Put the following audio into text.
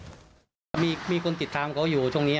ก็เลยต้องรีบไปแจ้งให้ตรวจสอบคือตอนนี้ครอบครัวรู้สึกไม่ไกล